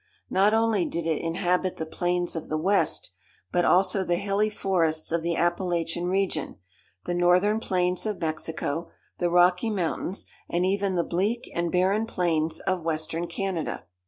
Not only did it inhabit the plains of the West, but also the hilly forests of the Appalachian region, the northern plains of Mexico, the Rocky Mountains, and even the bleak and barren plains of western Canada.